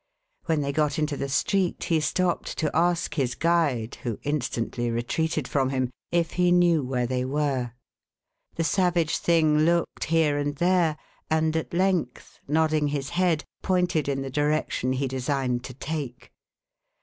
When they got into the street, he stopped to ask his guide — who instantly retreated from him — if he knew where they were. The savage thing looked here and there, and at length, nodding his head, pointed in the direction he designed to take.